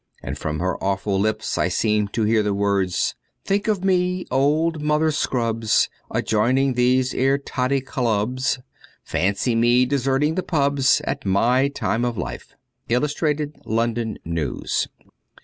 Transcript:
And from her awful lips I seem to hear the words :—* Think of me, old Mother Scrubbs, A joining these 'ere totty clubs : Fancy me deserting the pubs At my time of life !'' Illustrated London News.'